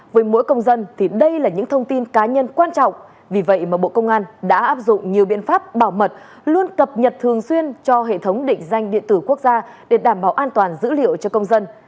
với mỗi công dân thì đây là những thông tin cá nhân quan trọng vì vậy mà bộ công an đã áp dụng nhiều biện pháp bảo mật luôn cập nhật thường xuyên cho hệ thống định danh điện tử quốc gia để đảm bảo an toàn dữ liệu cho công dân